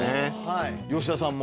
吉田さんも？